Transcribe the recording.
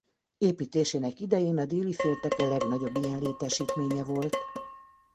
Építésének idején a déli félteke legnagyobb ilyen létesítménye volt.